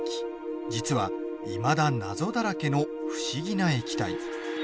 実はいまだ謎だらけの不思議な液体。